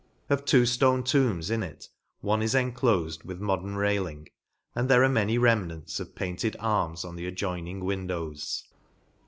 Of two ftone tombs in it one is enclofed with modern railing, and there are many rem nants of painted arms on the adjoining windows.